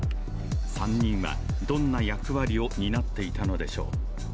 ３人はどんな役割を担っていたのでしょう。